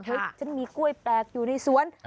ฉันมีกล้วยแปลกอยู่ในสวน